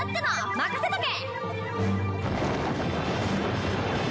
任せとけ！